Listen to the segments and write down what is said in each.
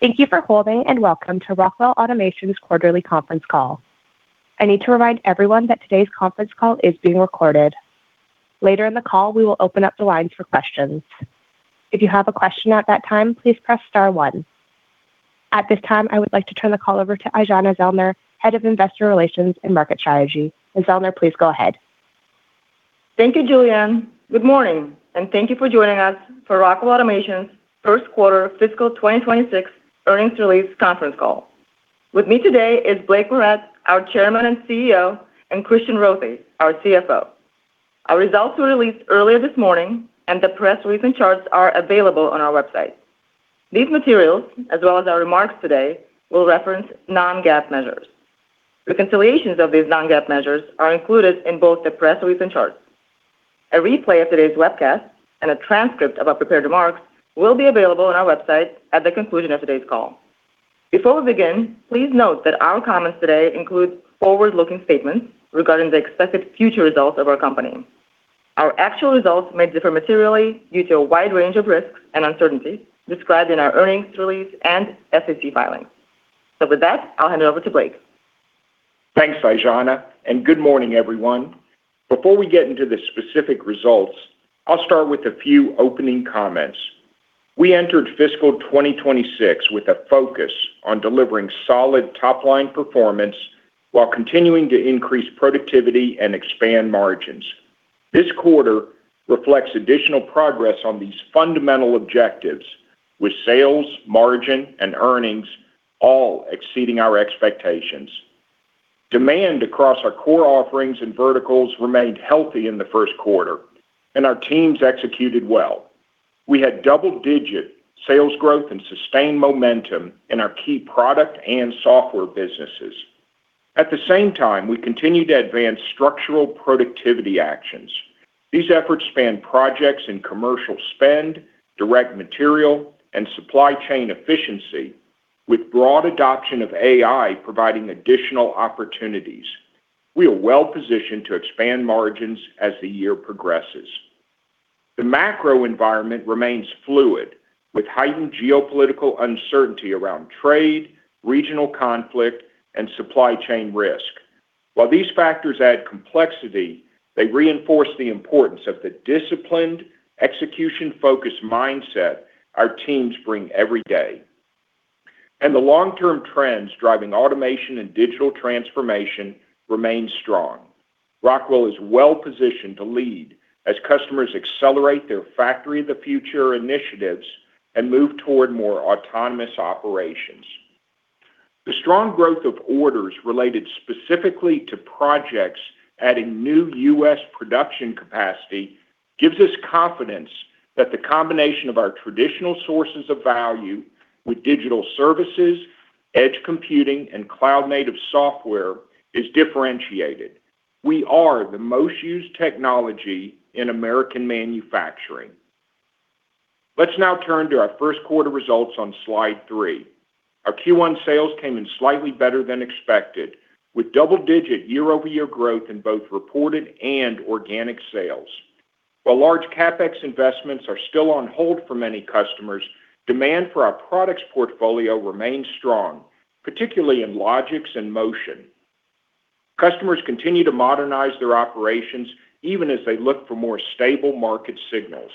Thank you for holding, and welcome to Rockwell Automation's quarterly conference call. I need to remind everyone that today's conference call is being recorded. Later in the call, we will open up the lines for questions. If you have a question at that time, please press star one. At this time, I would like to turn the call over to Aijana Zellner, Head of Investor Relations and Market Strategy. Ms. Zellner, please go ahead. Thank you, Julianne. Good morning, and thank you for joining us for Rockwell Automation's First Quarter Fiscal 2026 Earnings Release Conference Call. With me today is Blake Moret, our Chairman and CEO, and Christian Rothe, our CFO. Our results were released earlier this morning, and the press release and charts are available on our website. These materials, as well as our remarks today, will reference non-GAAP measures. Reconciliations of these non-GAAP measures are included in both the press release and charts. A replay of today's webcast and a transcript of our prepared remarks will be available on our website at the conclusion of today's call. Before we begin, please note that our comments today include forward-looking statements regarding the expected future results of our company. Our actual results may differ materially due to a wide range of risks and uncertainties described in our earnings release and SEC filings. With that, I'll hand it over to Blake. Thanks, Aijana, and good morning, everyone. Before we get into the specific results, I'll start with a few opening comments. We entered fiscal 2026 with a focus on delivering solid top-line performance while continuing to increase productivity and expand margins. This quarter reflects additional progress on these fundamental objectives, with sales, margin, and earnings all exceeding our expectations. Demand across our core offerings and verticals remained healthy in the first quarter, and our teams executed well. We had double-digit sales growth and sustained momentum in our key product and software businesses. At the same time, we continued to advance structural productivity actions. These efforts span projects in commercial spend, direct material, and supply chain efficiency, with broad adoption of AI providing additional opportunities. We are well-positioned to expand margins as the year progresses. The macro environment remains fluid, with heightened geopolitical uncertainty around trade, regional conflict, and supply chain risk. While these factors add complexity, they reinforce the importance of the disciplined, execution-focused mindset our teams bring every day. The long-term trends driving automation and digital transformation remain strong. Rockwell is well-positioned to lead as customers accelerate their Factory of the Future initiatives and move toward more autonomous operations. The strong growth of orders related specifically to projects adding new U.S. production capacity gives us confidence that the combination of our traditional sources of value with digital services, edge computing, and cloud-native software is differentiated. We are the most used technology in American manufacturing. Let's now turn to our first quarter results on slide three. Our Q1 sales came in slightly better than expected, with double-digit year-over-year growth in both reported and organic sales. While large CapEx investments are still on hold for many customers, demand for our product portfolio remains strong, particularly in Logix and motion. Customers continue to modernize their operations even as they look for more stable market signals.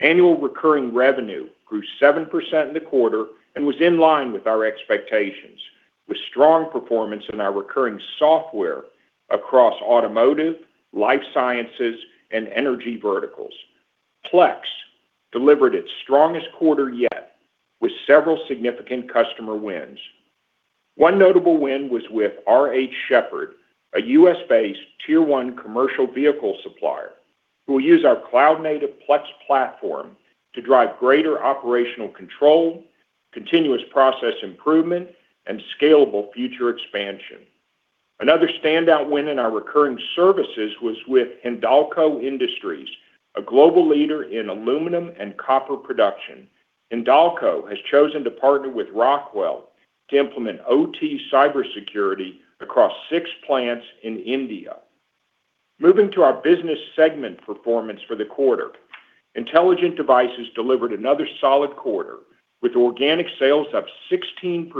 Annual recurring revenue grew 7% in the quarter and was in line with our expectations, with strong performance in our recurring software across automotive, life sciences, and energy verticals. Plex delivered its strongest quarter yet with several significant customer wins. One notable win was with R.H. Sheppard, a U.S.-based Tier One commercial vehicle supplier, who will use our cloud-native Plex platform to drive greater operational control, continuous process improvement, and scalable future expansion. Another standout win in our recurring services was with Hindalco Industries, a global leader in aluminum and copper production. Hindalco has chosen to partner with Rockwell to implement OT cybersecurity across 6 plants in India. Moving to our business segment performance for the quarter. Intelligent Devices delivered another solid quarter, with organic sales up 16%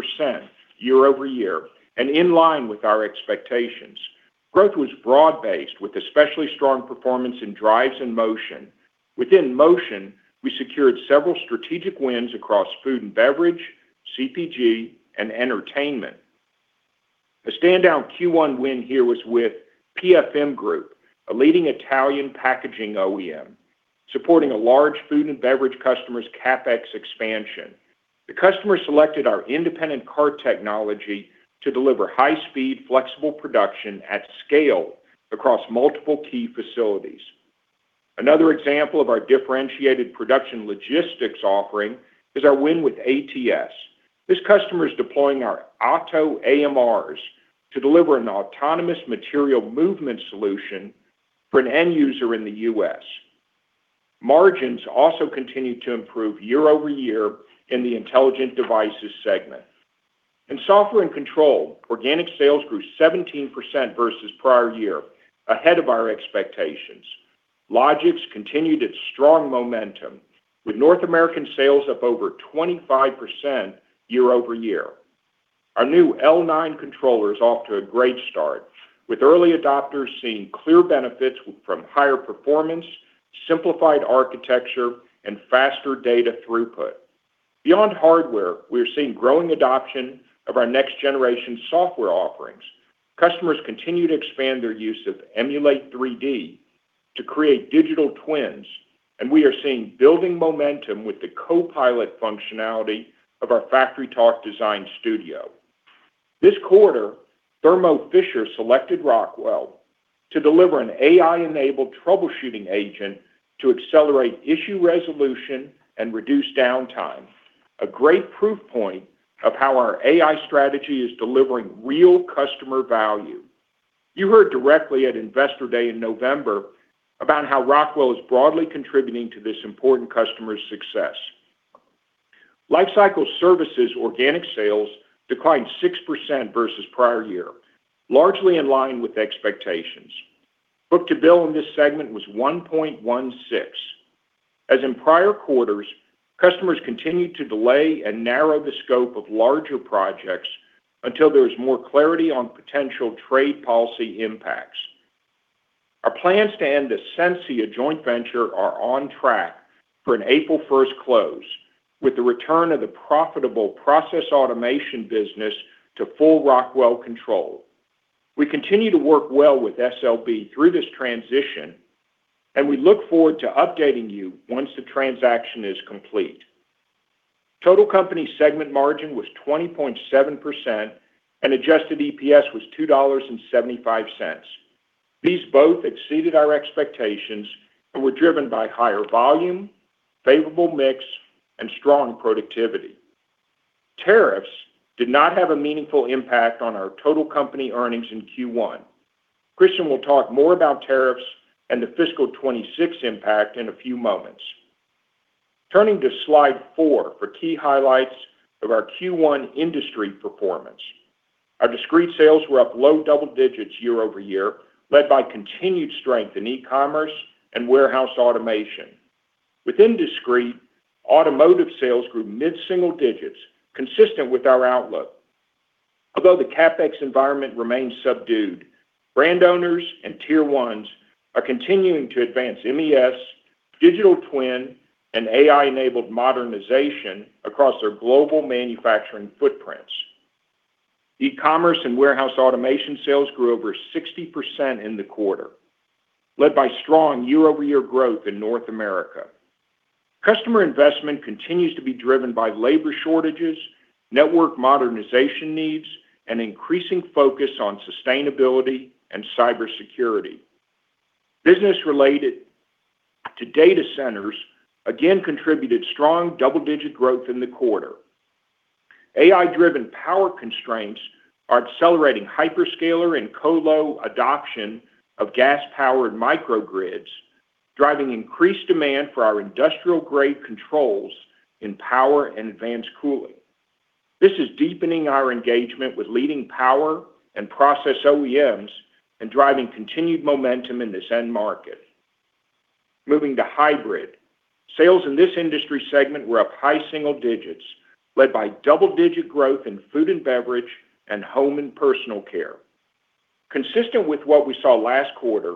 year-over-year and in line with our expectations. Growth was broad-based, with especially strong performance in drives and motion. Within motion, we secured several strategic wins across food and beverage, CPG, and entertainment. A standout Q1 win here was with PFM Group, a leading Italian packaging OEM, supporting a large food and beverage customer's CapEx expansion. The customer selected our independent cart technology to deliver high-speed, flexible production at scale across multiple key facilities. Another example of our differentiated production logistics offering is our win with ATS. This customer is deploying our OTTO AMRs to deliver an autonomous material movement solution for an end user in the U.S. Margins also continued to improve year-over-year in the Intelligent Devices segment.... In Software and Control, organic sales grew 17% versus prior year, ahead of our expectations. Logix continued its strong momentum, with North American sales up over 25% year-over-year. Our new L9 controller is off to a great start, with early adopters seeing clear benefits from higher performance, simplified architecture, and faster data throughput. Beyond hardware, we are seeing growing adoption of our next-generation software offerings. Customers continue to expand their use of Emulate3D to create digital twins, and we are seeing building momentum with the Copilot functionality of our FactoryTalk Design Studio. This quarter, Thermo Fisher selected Rockwell to deliver an AI-enabled troubleshooting agent to accelerate issue resolution and reduce downtime. A great proof point of how our AI strategy is delivering real customer value. You heard directly at Investor Day in November about how Rockwell is broadly contributing to this important customer's success. Lifecycle Services organic sales declined 6% versus prior year, largely in line with expectations. Book to Bill in this segment was 1.16. As in prior quarters, customers continued to delay and narrow the scope of larger projects until there is more clarity on potential trade policy impacts. Our plans to end Sensia joint venture are on track for an April 1st close, with the return of the profitable process automation business to full Rockwell control. We continue to work well with SLB through this transition, and we look forward to updating you once the transaction is complete. Total company segment margin was 20.7%, and adjusted EPS was $2.75. These both exceeded our expectations and were driven by higher volume, favorable mix, and strong productivity. Tariffs did not have a meaningful impact on our total company earnings in Q1. Christian will talk more about tariffs and the fiscal 2026 impact in a few moments. Turning to slide four for key highlights of our Q1 industry performance. Our discrete sales were up low double digits year-over-year, led by continued strength in e-commerce and warehouse automation. Within discrete, automotive sales grew mid-single digits, consistent with our outlook. Although the CapEx environment remains subdued, brand owners and tier ones are continuing to advance MES, digital twin, and AI-enabled modernization across their global manufacturing footprints. E-commerce and warehouse automation sales grew over 60% in the quarter, led by strong year-over-year growth in North America. Customer investment continues to be driven by labor shortages, network modernization needs, and increasing focus on sustainability and cybersecurity. Business related to data centers again contributed strong double-digit growth in the quarter. AI-driven power constraints are accelerating hyperscaler and colo adoption of gas-powered microgrids, driving increased demand for our industrial-grade controls in power and advanced cooling. This is deepening our engagement with leading power and process OEMs and driving continued momentum in this end market. Moving to hybrid. Sales in this industry segment were up high single digits, led by double-digit growth in food and beverage and home and personal care. Consistent with what we saw last quarter,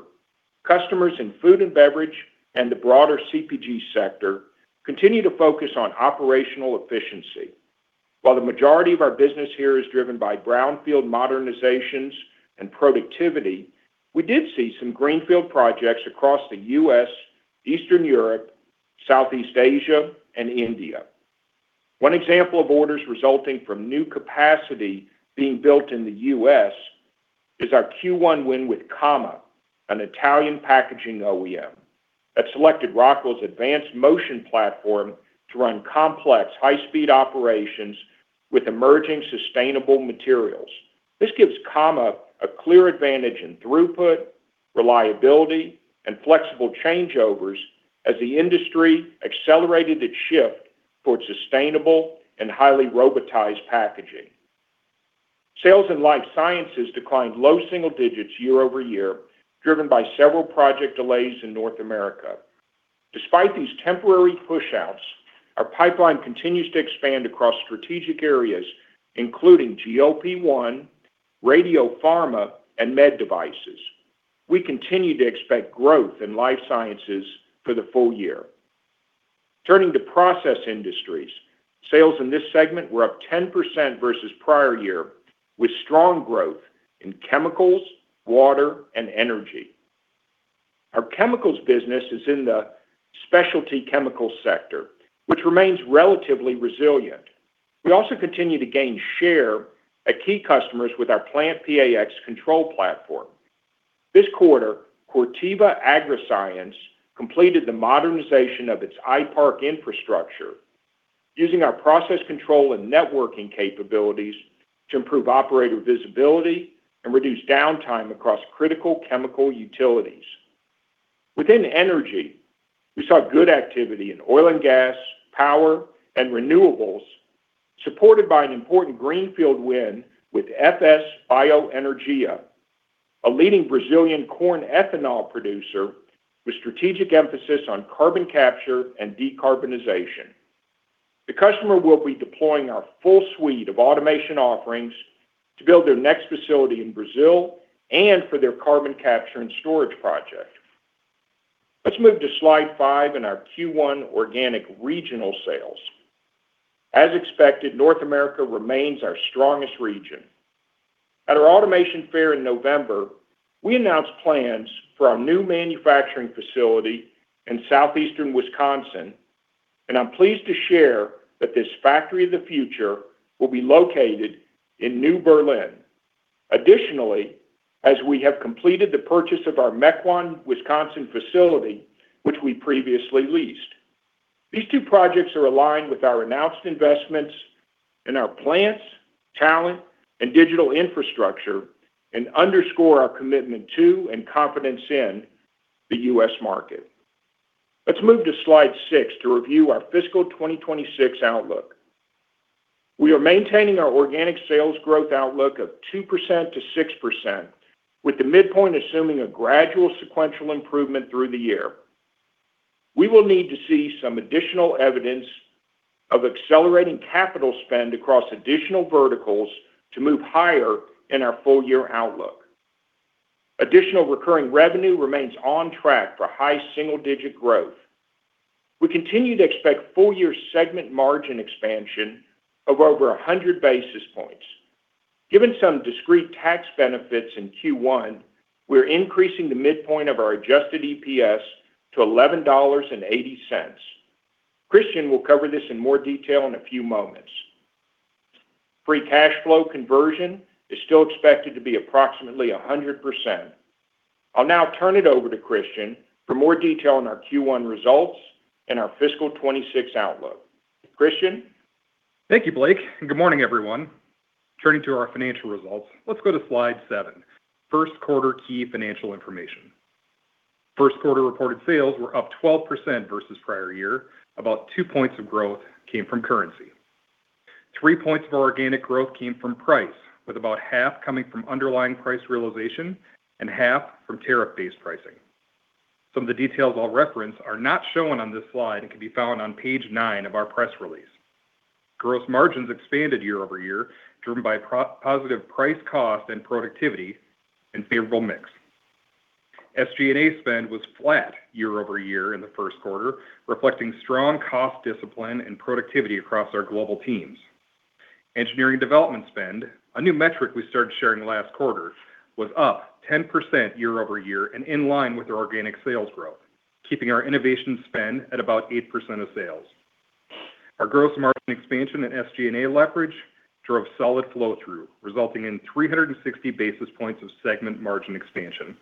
customers in food and beverage and the broader CPG sector continue to focus on operational efficiency. While the majority of our business here is driven by brownfield modernizations and productivity, we did see some greenfield projects across the U.S., Eastern Europe, Southeast Asia, and India. One example of orders resulting from new capacity being built in the U.S. is our Q1 win with Cama, an Italian packaging OEM that selected Rockwell's advanced motion platform to run complex, high-speed operations with emerging sustainable materials. This gives Cama a clear advantage in throughput, reliability, and flexible changeovers as the industry accelerated its shift towards sustainable and highly robotized packaging. Sales in life sciences declined low single digits year-over-year, driven by several project delays in North America. Despite these temporary pushouts, our pipeline continues to expand across strategic areas, including GLP-1, radiopharma, and med devices. We continue to expect growth in life sciences for the full year. Turning to process industries, sales in this segment were up 10% versus prior year, with strong growth in chemicals, water, and energy. Our chemicals business is in the specialty chemical sector, which remains relatively resilient. We also continue to gain share at key customers with our PlantPAx control platform. This quarter, Corteva Agriscience completed the modernization of its iPARC infrastructure using our process control and networking capabilities to improve operator visibility and reduce downtime across critical chemical utilities. Within energy, we saw good activity in oil and gas, power, and renewables, supported by an important greenfield win with FS Bioenergia, a leading Brazilian corn ethanol producer with strategic emphasis on carbon capture and decarbonization. The customer will be deploying our full suite of automation offerings to build their next facility in Brazil and for their carbon capture and storage project. Let's move to slide five in our Q1 organic regional sales. As expected, North America remains our strongest region. At our automation fair in November, we announced plans for our new manufacturing facility in southeastern Wisconsin, and I'm pleased to share that this factory of the future will be located in New Berlin. Additionally, as we have completed the purchase of our Mequon, Wisconsin, facility, which we previously leased. These two projects are aligned with our announced investments in our plants, talent, and digital infrastructure, and underscore our commitment to and confidence in the U.S. market. Let's move to slide six to review our fiscal 2026 outlook. We are maintaining our organic sales growth outlook of 2%-6%, with the midpoint assuming a gradual sequential improvement through the year. We will need to see some additional evidence of accelerating capital spend across additional verticals to move higher in our full year outlook. Additional recurring revenue remains on track for high single-digit growth. We continue to expect full year segment margin expansion of over 100 basis points. Given some discrete tax benefits in Q1, we're increasing the midpoint of our adjusted EPS to $11.80. Christian will cover this in more detail in a few moments. Free cash flow conversion is still expected to be approximately 100%. I'll now turn it over to Christian for more detail on our Q1 results and our fiscal 2026 outlook. Christian? Thank you, Blake, and good morning, everyone. Turning to our financial results, let's go to slide seven. First quarter key financial information. First quarter reported sales were up 12% versus prior year. About 2 points of growth came from currency. 3 points of organic growth came from price, with about half coming from underlying price realization and half from tariff-based pricing. Some of the details I'll reference are not shown on this slide and can be found on page 9 of our press release. Gross margins expanded year-over-year, driven by positive price, cost, and productivity and favorable mix. SG&A spend was flat year-over-year in the first quarter, reflecting strong cost discipline and productivity across our global teams. Engineering development spend, a new metric we started sharing last quarter, was up 10% year-over-year and in line with our organic sales growth, keeping our innovation spend at about 8% of sales. Our gross margin expansion and SG&A leverage drove solid flow-through, resulting in 360 basis points of segment margin expansion.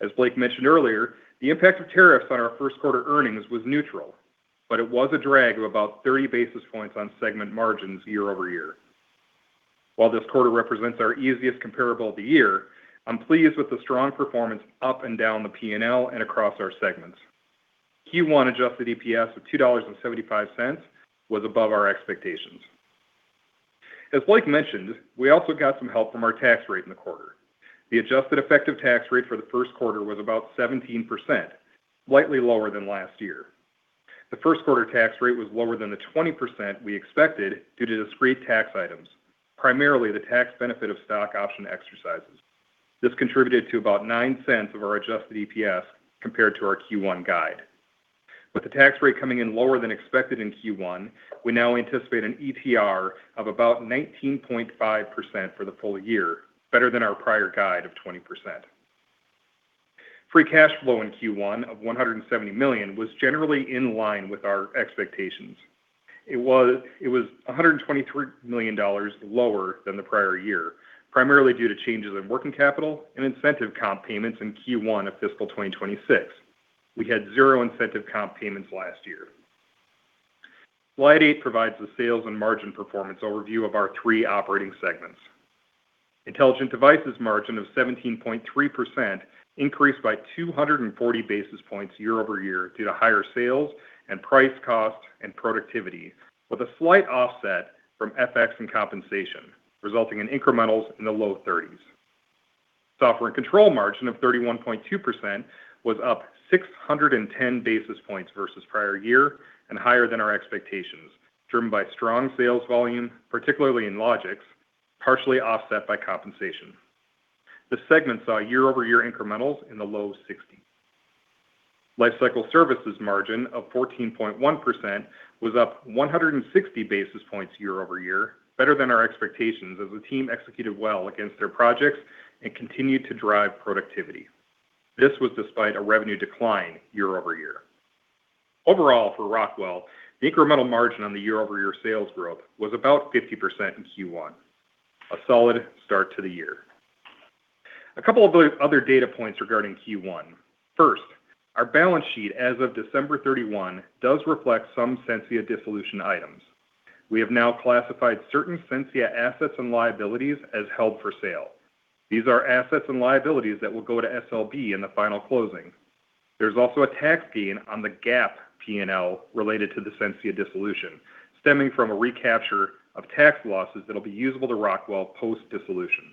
As Blake mentioned earlier, the impact of tariffs on our first quarter earnings was neutral, but it was a drag of about 30 basis points on segment margins year-over-year. While this quarter represents our easiest comparable of the year, I'm pleased with the strong performance up and down the P&L and across our segments. Q1 adjusted EPS of $2.75 was above our expectations. As Blake mentioned, we also got some help from our tax rate in the quarter. The adjusted effective tax rate for the first quarter was about 17%, slightly lower than last year. The first quarter tax rate was lower than the 20% we expected due to discrete tax items, primarily the tax benefit of stock option exercises. This contributed to about $0.09 of our adjusted EPS compared to our Q1 guide. With the tax rate coming in lower than expected in Q1, we now anticipate an ETR of about 19.5% for the full year, better than our prior guide of 20%. Free cash flow in Q1 of $170 million was generally in line with our expectations. It was $123 million lower than the prior year, primarily due to changes in working capital and incentive comp payments in Q1 of fiscal 2026. We had 0 incentive comp payments last year. Slide eight provides the sales and margin performance overview of our three operating segments. Intelligent Devices margin of 17.3% increased by 240 basis points year-over-year due to higher sales and price cost and productivity, with a slight offset from FX and compensation, resulting in incrementals in the low 30s. Software and Control margin of 31.2% was up 610 basis points versus prior year and higher than our expectations, driven by strong sales volume, particularly in Logix, partially offset by compensation. The segment saw year-over-year incrementals in the low 60s. Lifecycle Services margin of 14.1% was up 160 basis points year-over-year, better than our expectations as the team executed well against their projects and continued to drive productivity. This was despite a revenue decline year-over-year. Overall, for Rockwell, the incremental margin on the year-over-year sales growth was about 50% in Q1, a solid start to the year. A couple of the other data points regarding Q1. First, our balance sheet as of December 31 does reflect some Sensia dissolution items. We have now classified certain Sensia assets and liabilities as held for sale. These are assets and liabilities that will go to SLB in the final closing. There's also a tax gain on the GAAP P&L related to the Sensia dissolution, stemming from a recapture of tax losses that'll be usable to Rockwell post-dissolution.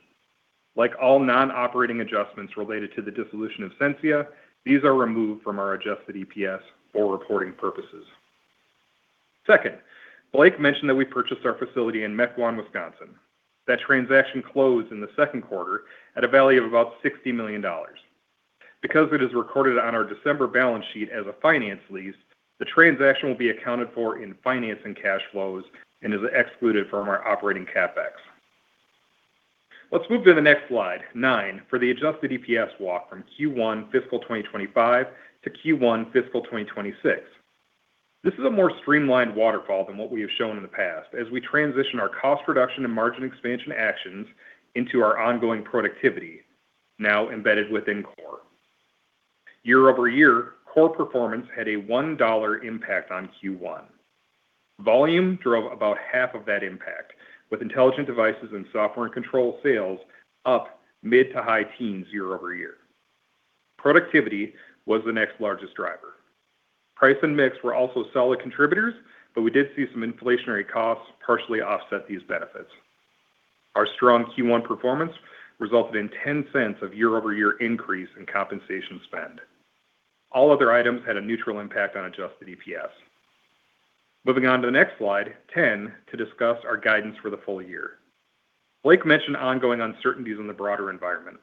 Like all non-operating adjustments related to the dissolution of Sensia, these are removed from our adjusted EPS for reporting purposes. Second, Blake mentioned that we purchased our facility in Mequon, Wisconsin. That transaction closed in the second quarter at a value of about $60 million. Because it is recorded on our December balance sheet as a finance lease, the transaction will be accounted for in finance and cash flows and is excluded from our operating CapEx. Let's move to the next slide, nine, for the adjusted EPS walk from Q1 fiscal 2025 to Q1 fiscal 2026. This is a more streamlined waterfall than what we have shown in the past, as we transition our cost reduction and margin expansion actions into our ongoing productivity, now embedded within core. Year-over-year, core performance had a $1 impact on Q1. Volume drove about half of that impact, with Intelligent Devices and Software and Control sales up mid- to high-teens year-over-year. Productivity was the next largest driver. Price and mix were also solid contributors, but we did see some inflationary costs partially offset these benefits. Our strong Q1 performance resulted in $0.10 of year-over-year increase in compensation spend. All other items had a neutral impact on adjusted EPS. Moving on to the next slide, 10, to discuss our guidance for the full year. Blake mentioned ongoing uncertainties in the broader environment.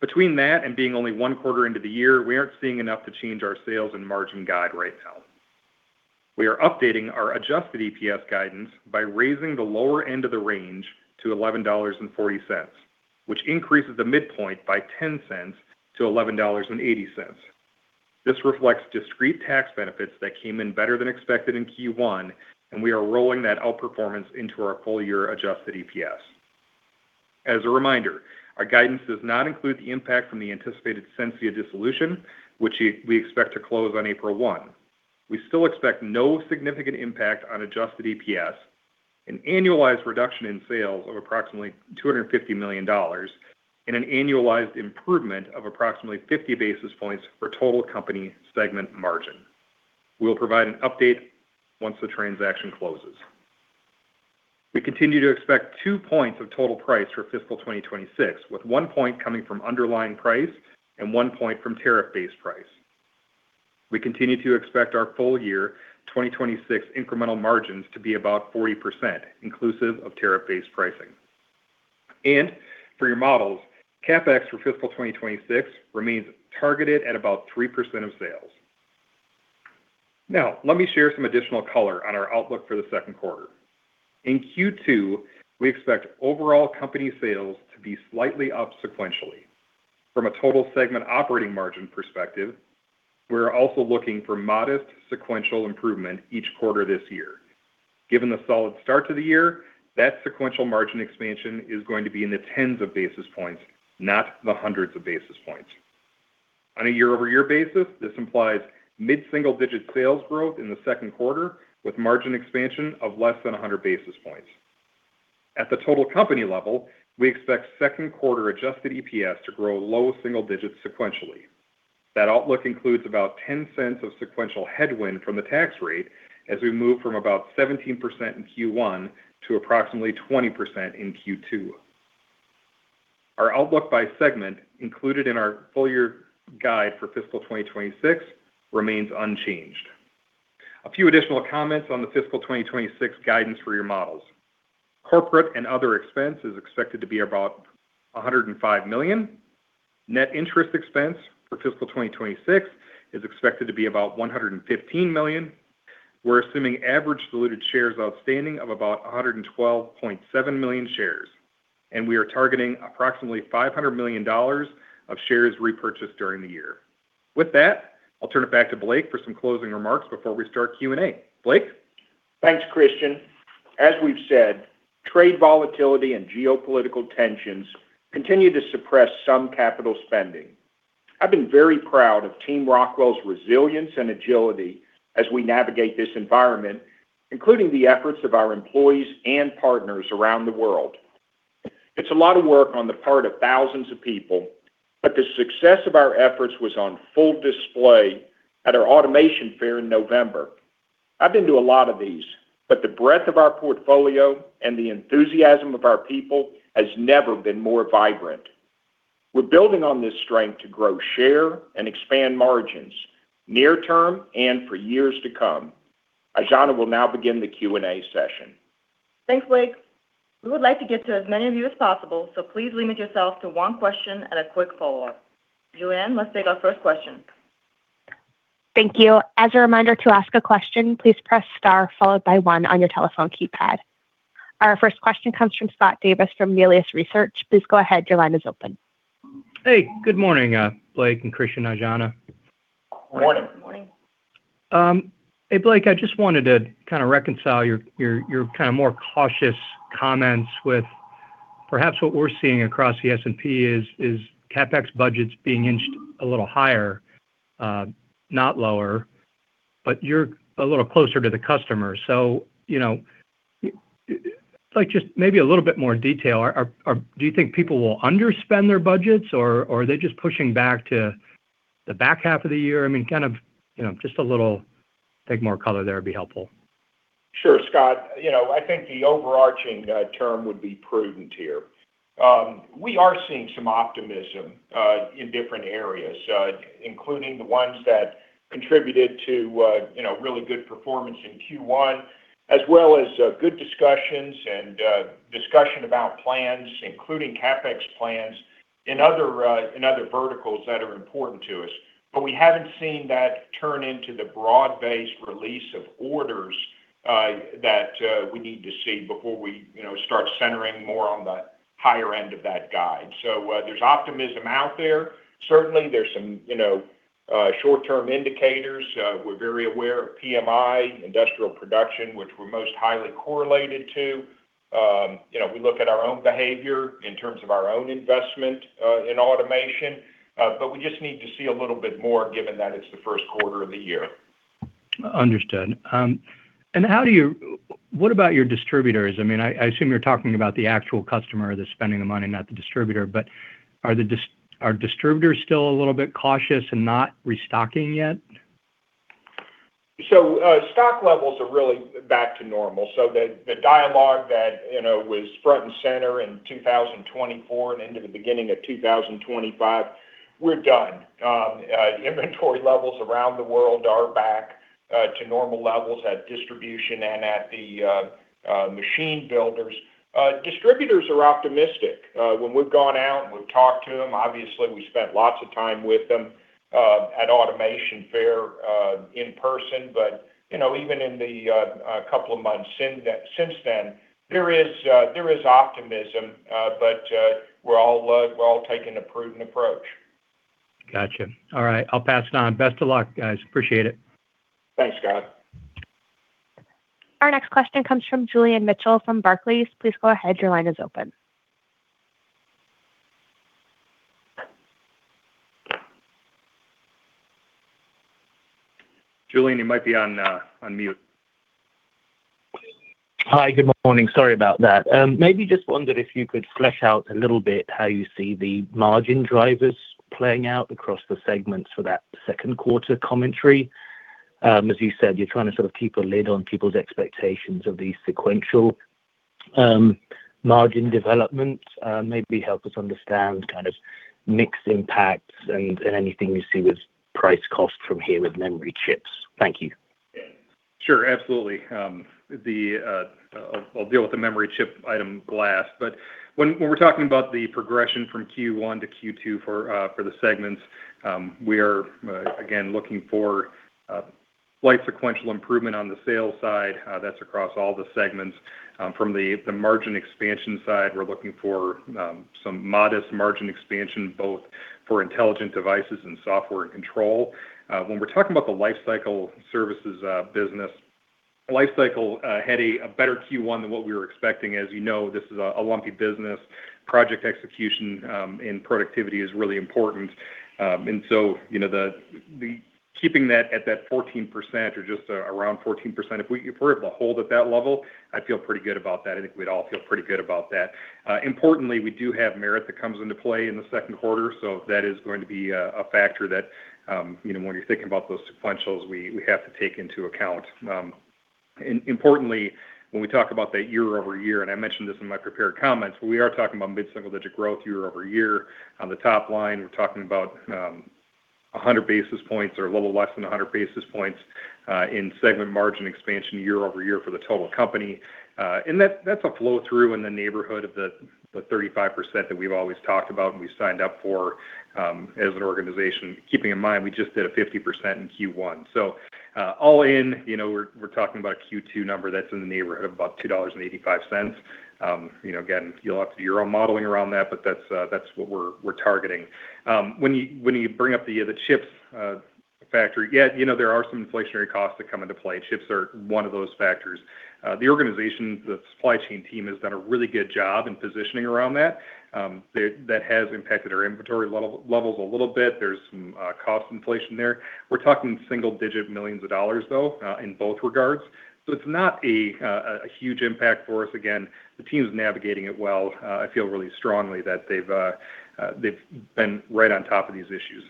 Between that and being only one quarter into the year, we aren't seeing enough to change our sales and margin guide right now. We are updating our adjusted EPS guidance by raising the lower end of the range to $11.40, which increases the midpoint by $0.10 to $11.80. This reflects discrete tax benefits that came in better than expected in Q1, and we are rolling that outperformance into our full year adjusted EPS. As a reminder, our guidance does not include the impact from the anticipated Sensia dissolution, which we expect to close on April 1. We still expect no significant impact on adjusted EPS, an annualized reduction in sales of approximately $250 million, and an annualized improvement of approximately 50 basis points for total company segment margin. We'll provide an update once the transaction closes. We continue to expect 2 points of total price for fiscal 2026, with 1 point coming from underlying price and 1 point from tariff-based price. We continue to expect our full year 2026 incremental margins to be about 40%, inclusive of tariff-based pricing. For your models, CapEx for fiscal 2026 remains targeted at about 3% of sales. Now, let me share some additional color on our outlook for the second quarter. In Q2, we expect overall company sales to be slightly up sequentially. From a total segment operating margin perspective, we're also looking for modest sequential improvement each quarter this year. Given the solid start to the year, that sequential margin expansion is going to be in the tens of basis points, not the hundreds of basis points. On a year-over-year basis, this implies mid-single-digit sales growth in the second quarter, with margin expansion of less than a hundred basis points. At the total company level, we expect second quarter adjusted EPS to grow low single digits sequentially. That outlook includes about $0.10 of sequential headwind from the tax rate as we move from about 17% in Q1 to approximately 20% in Q2. Our outlook by segment, included in our full-year guide for fiscal 2026, remains unchanged. A few additional comments on the fiscal 2026 guidance for your models. Corporate and other expense is expected to be about $105 million. Net interest expense for fiscal 2026 is expected to be about $115 million. We're assuming average diluted shares outstanding of about 112.7 million shares, and we are targeting approximately $500 million of shares repurchased during the year. With that, I'll turn it back to Blake for some closing remarks before we start Q&A. Blake? Thanks, Christian. As we've said, trade volatility and geopolitical tensions continue to suppress some capital spending. I've been very proud of Team Rockwell's resilience and agility as we navigate this environment, including the efforts of our employees and partners around the world. It's a lot of work on the part of thousands of people, but the success of our efforts was on full display at our Automation Fair in November. I've been to a lot of these, but the breadth of our portfolio and the enthusiasm of our people has never been more vibrant. We're building on this strength to grow, share, and expand margins near term and for years to come. Aijana will now begin the Q&A session. Thanks, Blake. We would like to get to as many of you as possible, so please limit yourself to one question and a quick follow-up. Julianne, let's take our first question. Thank you. As a reminder to ask a question, please press star followed by one on your telephone keypad. Our first question comes from Scott Davis from Melius Research. Please go ahead. Your line is open. Hey, good morning, Blake and Christian, Aijana. Morning. Morning. Hey, Blake, I just wanted to kind of reconcile your kind of more cautious comments with perhaps what we're seeing across the S&P is CapEx budgets being inched a little higher, not lower, but you're a little closer to the customer. So, you know, like, just maybe a little bit more detail. Do you think people will underspend their budgets, or are they just pushing back to the back half of the year? I mean, kind of, you know, just a little, take more color there would be helpful. Sure, Scott. You know, I think the overarching term would be prudent here. We are seeing some optimism in different areas, including the ones that contributed to you know, really good performance in Q1, as well as good discussions and discussion about plans, including CapEx plans in other verticals that are important to us. But we haven't seen that turn into the broad-based release of orders that we need to see before we you know, start centering more on the higher end of that guide. So, there's optimism out there. Certainly, there's some you know short-term indicators. We're very aware of PMI, industrial production, which we're most highly correlated to. You know, we look at our own behavior in terms of our own investment in automation, but we just need to see a little bit more, given that it's the first quarter of the year. Understood. And how do you—what about your distributors? I mean, I assume you're talking about the actual customer that's spending the money, not the distributor, but are the distributors still a little bit cautious and not restocking yet? So, stock levels are really back to normal. So the dialogue that, you know, was front and center in 2024 and into the beginning of 2025, we're done. Inventory levels around the world are back to normal levels at distribution and at the machine builders. Distributors are optimistic. When we've gone out and we've talked to them, obviously, we spent lots of time with them at Automation Fair in person. But, you know, even in the couple of months since then, there is optimism, but we're all taking a prudent approach. Gotcha. All right, I'll pass it on. Best of luck, guys. Appreciate it. Thanks, Scott. Our next question comes from Julian Mitchell, from Barclays. Please go ahead. Your line is open. Julian, you might be on mute. Hi, good morning. Sorry about that. Maybe just wondered if you could flesh out a little bit how you see the margin drivers playing out across the segments for that second quarter commentary. As you said, you're trying to sort of keep a lid on people's expectations of the sequential margin development. Maybe help us understand kind of mix impacts and, and anything you see with price cost from here with memory chips. Thank you. Sure, absolutely. I'll deal with the memory chip item last, but when we're talking about the progression from Q1 to Q2 for the segments, we are again looking for slight sequential improvement on the sales side. That's across all the segments. From the margin expansion side, we're looking for some modest margin expansion, both for Intelligent Devices and Software & Control. When we're talking about the Lifecycle Services business, Lifecycle Services had a better Q1 than what we were expecting. As you know, this is a lumpy business. Project execution and productivity is really important. And so, you know, the keeping that at that 14% or just around 14%, if we're able to hold at that level, I'd feel pretty good about that. I think we'd all feel pretty good about that. Importantly, we do have merit that comes into play in the second quarter, so that is going to be a factor that, you know, when you're thinking about those sequentials, we have to take into account. And importantly, when we talk about that year-over-year, and I mentioned this in my prepared comments, we are talking about mid-single-digit growth year-over-year. On the top line, we're talking about 100 basis points or a little less than 100 basis points in segment margin expansion year-over-year for the total company. And that, that's a flow-through in the neighborhood of the 35% that we've always talked about and we signed up for as an organization. Keeping in mind, we just did a 50% in Q1. So, all in, you know, we're talking about a Q2 number that's in the neighborhood of about $2.85. You know, again, you'll have to do your own modeling around that, but that's what we're targeting. When you bring up the chips factor, yeah, you know, there are some inflationary costs that come into play. Chips are one of those factors. The organization, the supply chain team, has done a really good job in positioning around that. That has impacted our inventory levels a little bit. There's some cost inflation there. We're talking single-digit millions of dollars, though, in both regards, so it's not a huge impact for us. Again, the team is navigating it well. I feel really strongly that they've been right on top of these issues.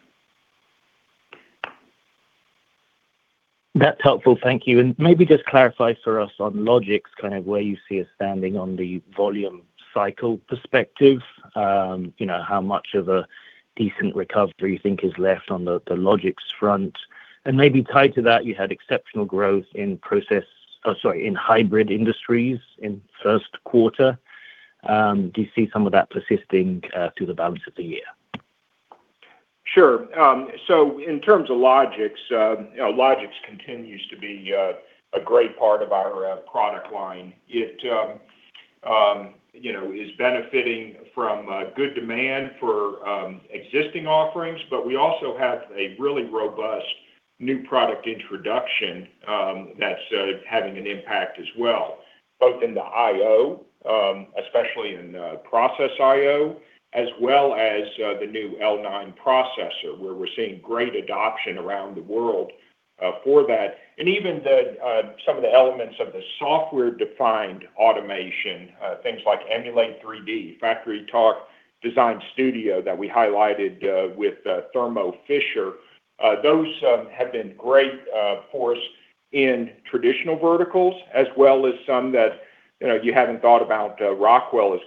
That's helpful. Thank you. Maybe just clarify for us on Logix, kind of where you see us standing on the volume cycle perspective. You know, how much of a decent recovery you think is left on the, the Logix front? And maybe tied to that, you had exceptional growth in process. Oh, sorry, in hybrid industries in first quarter. Do you see some of that persisting through the balance of the year? Sure. So in terms of Logix, Logix continues to be a great part of our product line. It, you know, is benefiting from good demand for existing offerings, but we also have a really robust new product introduction that's having an impact as well, both in the IO, especially in process IO, as well as the new L9 processor, where we're seeing great adoption around the world for that. And even some of the elements of the software-defined automation, things like Emulate3D, FactoryTalk Design Studio that we highlighted with Thermo Fisher. Those have been great for us in traditional verticals, as well as some that, you know, you haven't thought about Rockwell.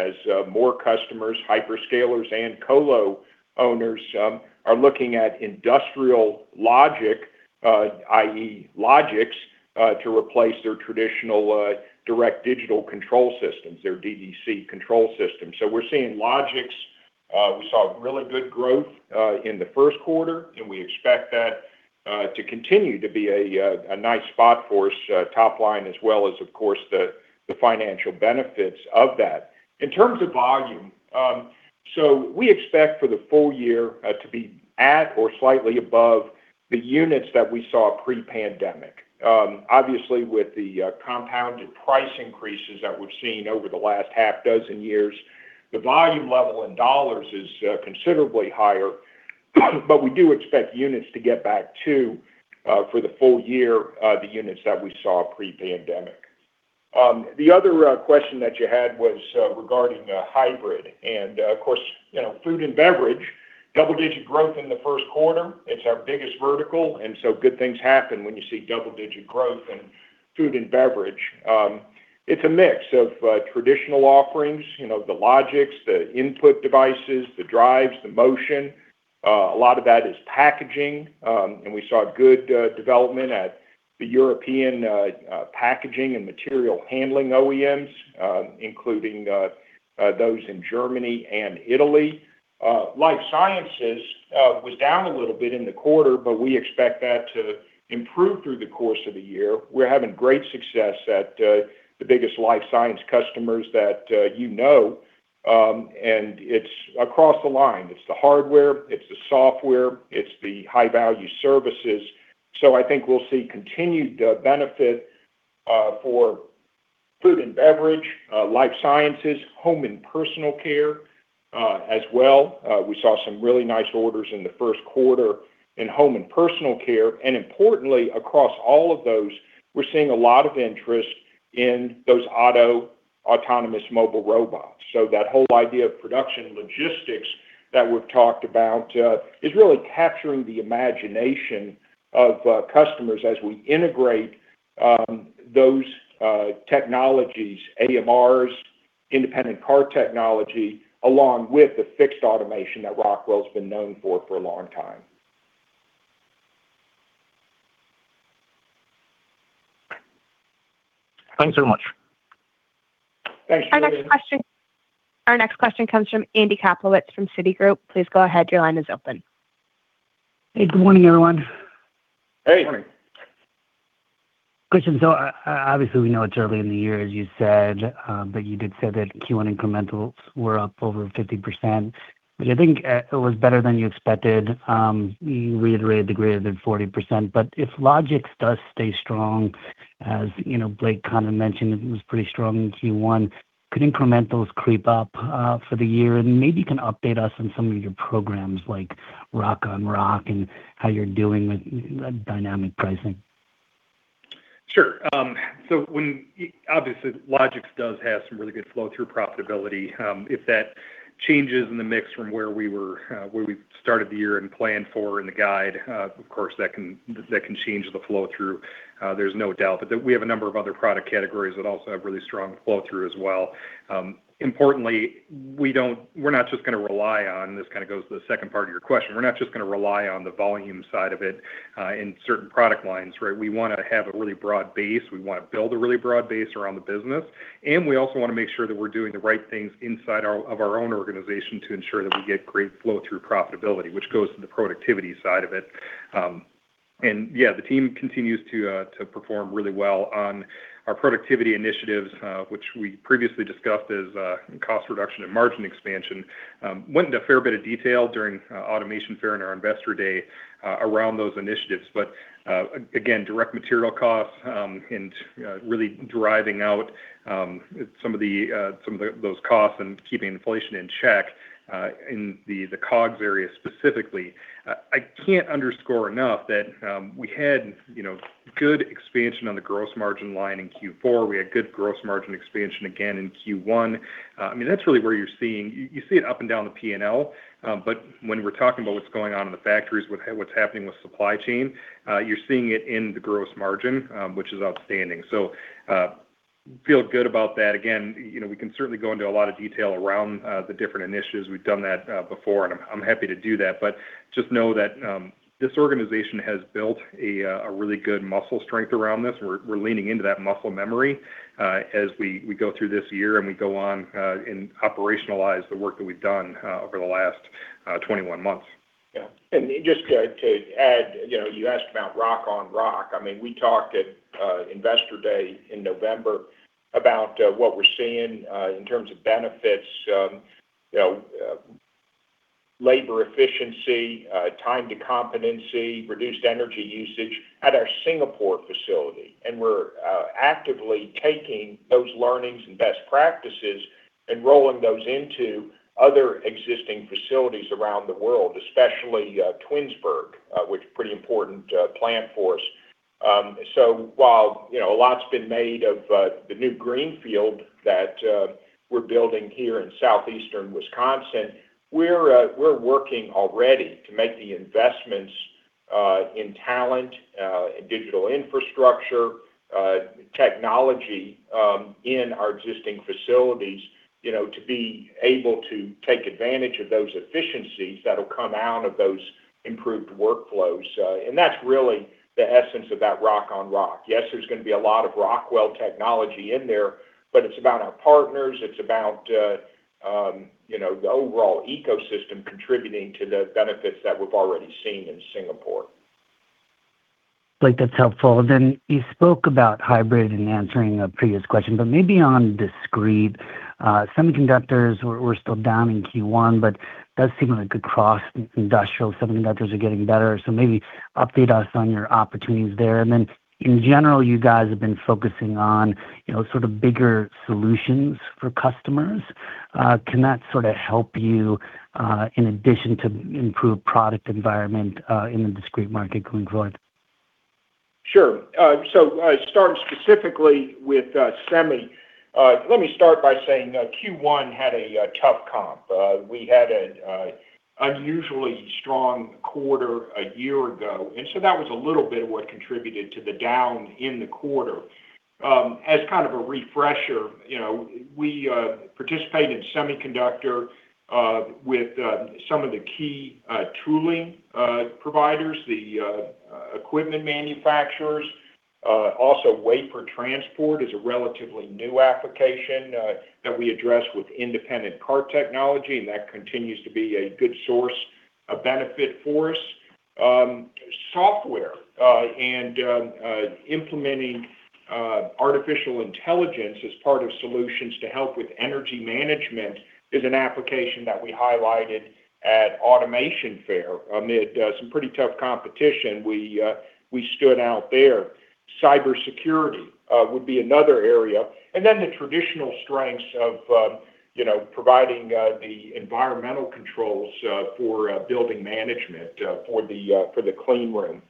As more customers, hyperscalers and colo owners, are looking at industrial Logix, i.e., Logix, to replace their traditional direct digital control systems, their DDC control system. So we're seeing Logix. We saw really good growth in the first quarter, and we expect that to continue to be a nice spot for us, top line, as well as, of course, the financial benefits of that. In terms of volume, so we expect for the full year to be at or slightly above the units that we saw pre-pandemic. Obviously, with the compounded price increases that we've seen over the last half dozen years, the volume level in dollars is considerably higher, but we do expect units to get back to, for the full year, the units that we saw pre-pandemic. The other question that you had was regarding the hybrid and, of course, you know, food and beverage, double-digit growth in the first quarter. It's our biggest vertical, and so good things happen when you see double-digit growth in food and beverage. It's a mix of traditional offerings, you know, the Logix, the input devices, the drives, the motion. A lot of that is packaging, and we saw good development at the European packaging and material handling OEMs, including those in Germany and Italy. Life sciences was down a little bit in the quarter, but we expect that to improve through the course of the year. We're having great success at the biggest life science customers that, you know, and it's across the line. It's the hardware, it's the software, it's the high-value services. So I think we'll see continued benefit for food and beverage, life sciences, home and personal care, as well. We saw some really nice orders in the first quarter in home and personal care, and importantly, across all of those, we're seeing a lot of interest in those autonomous mobile robots. So that whole idea of production logistics that we've talked about is really capturing the imagination of customers as we integrate those technologies, AMRs, independent cart technology, along with the fixed automation that Rockwell has been known for for a long time. Thanks so much. Thank you. Our next question comes from Andy Kaplowitz from Citigroup. Please go ahead. Your line is open. Hey, good morning, everyone. Hey. Good morning. Christian, so obviously, we know it's early in the year, as you said, but you did say that Q1 incrementals were up over 50%, which I think it was better than you expected. You reiterated the greater than 40%, but if Logix does stay strong, as you know, Blake kind of mentioned, it was pretty strong in Q1, could incrementals creep up for the year? And maybe you can update us on some of your programs, like Rock on Rock and how you're doing with dynamic pricing. Sure. So when... Obviously, Logix does have some really good flow through profitability. If that changes in the mix from where we were, where we started the year and planned for in the guide, of course, that can, that can change the flow through. There's no doubt, but we have a number of other product categories that also have really strong flow through as well. Importantly, we don't-- we're not just gonna rely on. This kind of goes to the second part of your question. We're not just gonna rely on the volume side of it, in certain product lines, right? We wanna have a really broad base. We wanna build a really broad base around the business, and we also wanna make sure that we're doing the right things inside our own organization to ensure that we get great flow through profitability, which goes to the productivity side of it. And yeah, the team continues to perform really well on our productivity initiatives, which we previously discussed as cost reduction and margin expansion. Went into a fair bit of detail during Automation Fair in our Investor Day, around those initiatives. But again, direct material costs, and really driving out some of those costs and keeping inflation in check, in the COGS area specifically. I can't underscore enough that we had, you know, good expansion on the gross margin line in Q4. We had good gross margin expansion again in Q1. I mean, that's really where you're seeing... You see it up and down the P&L, but when we're talking about what's going on in the factories, what's happening with supply chain, you're seeing it in the gross margin, which is outstanding. So, feel good about that. Again, you know, we can certainly go into a lot of detail around the different initiatives. We've done that before, and I'm happy to do that, but just know that this organization has built a really good muscle strength around this. We're leaning into that muscle memory as we go through this year and we go on, and operationalize the work that we've done over the last 21 months. Yeah. And just to add, you know, you asked about Rock on Rock. I mean, we talked at Investor Day in November about what we're seeing in terms of benefits, you know, labor efficiency, time to competency, reduced energy usage at our Singapore facility. And we're actively taking those learnings and best practices and rolling those into other existing facilities around the world, especially Twinsburg, which is a pretty important plant for us. So while, you know, a lot's been made of the new greenfield that we're building here in southeastern Wisconsin, we're working already to make the investments in talent, in digital infrastructure, technology, in our existing facilities, you know, to be able to take advantage of those efficiencies that'll come out of those improved workflows. And that's really the essence of that Rock on Rock. Yes, there's gonna be a lot of Rockwell technology in there, but it's about our partners, it's about, you know, the overall ecosystem contributing to the benefits that we've already seen in Singapore. Blake, that's helpful. Then you spoke about hybrid in answering a previous question, but maybe on discrete. Semiconductors, we're still down in Q1, but does seem like a good cross. Industrial semiconductors are getting better, so maybe update us on your opportunities there. And then, in general, you guys have been focusing on, you know, sort of bigger solutions for customers. Can that sort of help you, in addition to improved product environment, in the discrete market going forward? Sure. So, starting specifically with semi. Let me start by saying, Q1 had a tough comp. We had an unusually strong quarter a year ago, and so that was a little bit of what contributed to the down in the quarter. As kind of a refresher, you know, we participate in semiconductor with some of the key tooling providers, the equipment manufacturers. Also, wafer transport is a relatively new application that we address with independent cart technology, and that continues to be a good source of benefit for us. Software and implementing artificial intelligence as part of solutions to help with energy management is an application that we highlighted at Automation Fair. Amid some pretty tough competition, we stood out there. Cybersecurity would be another area, and then the traditional strengths of, you know, providing the environmental controls for the clean room.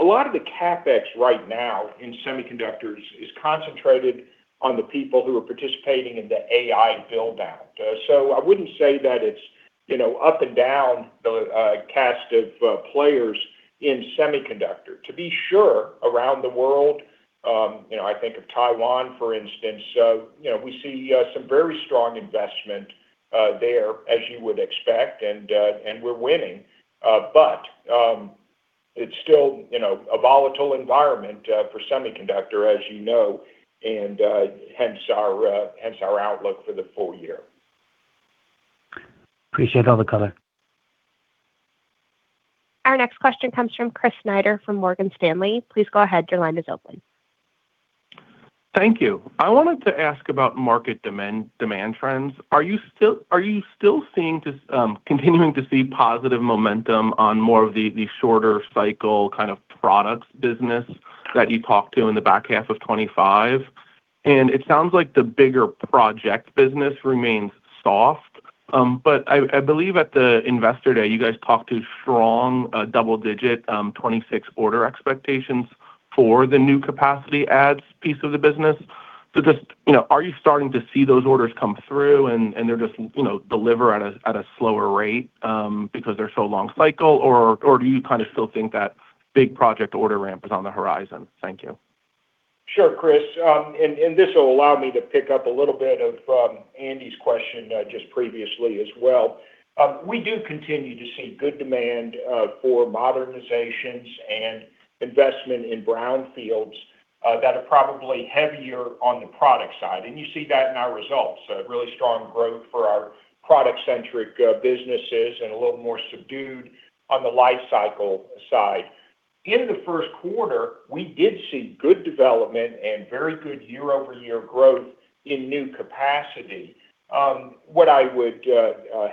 A lot of the CapEx right now in semiconductors is concentrated on the people who are participating in the AI build-out. So I wouldn't say that it's, you know, up and down the cast of players in semiconductor. To be sure, around the world, you know, I think of Taiwan, for instance, you know, we see some very strong investment there, as you would expect, and we're winning. But it's still, you know, a volatile environment for semiconductor, as you know, and hence our outlook for the full year. Appreciate all the color. Our next question comes from Chris Snyder from Morgan Stanley. Please go ahead. Your line is open. Thank you. I wanted to ask about market demand, demand trends. Are you still seeing continuing to see positive momentum on more of the shorter cycle kind of products business that you talked to in the back half of 2025? And it sounds like the bigger project business remains soft, but I believe at the Investor Day, you guys talked to strong double-digit 2026 order expectations for the new capacity adds piece of the business. So just, you know, are you starting to see those orders come through, and they're just, you know, deliver at a slower rate because they're so long cycle, or do you kind of still think that big project order ramp is on the horizon? Thank you. Sure, Chris. And this will allow me to pick up a little bit of Andy's question just previously as well. We do continue to see good demand for modernizations and investment in brownfields that are probably heavier on the product side, and you see that in our results. Really strong growth for our product-centric businesses and a little more subdued on the life cycle side. In the first quarter, we did see good development and very good year-over-year growth in new capacity. What I would